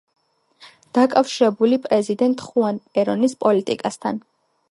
დაკავშირებული პრეზიდენტ ხუან პერონის პოლიტიკასთან.